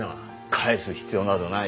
返す必要などない。